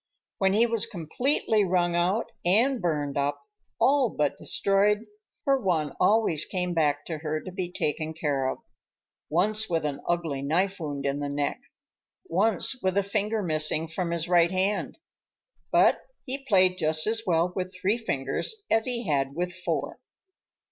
When he was completely wrung out and burned up,—all but destroyed,—her Juan always came back to her to be taken care of,—once with an ugly knife wound in the neck, once with a finger missing from his right hand,—but he played just as well with three fingers as he had with four.